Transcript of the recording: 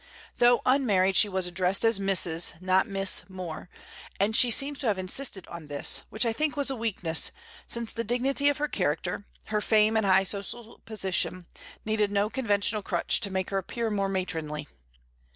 Though unmarried, she was addressed as Mrs., not Miss, More; and she seems to have insisted on this, which I think was a weakness, since the dignity of her character, her fame and high social position, needed no conventional crutch to make her appear more matronly.